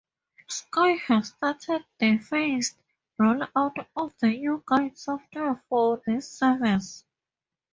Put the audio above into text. Sky have started the phased roll-out of the new guide software for this service.